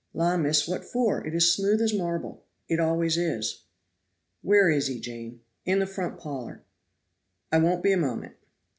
"La, miss, what for? it is smooth as marble it always is." "Where is he, Jane?" "In the front parlor." "I won't be a moment."